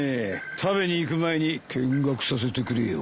食べに行く前に見学させてくれよ。